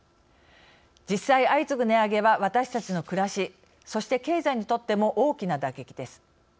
実際、相次ぐ値上げは私たちの暮らしそして、経済にとっても大きな打撃です。